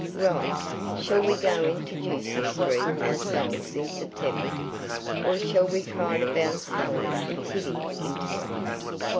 "Right. Shall we go into Ducie Street ourselves in September? Or shall we try to bounce Helen and Tibby into it?